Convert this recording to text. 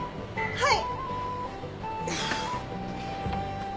はい。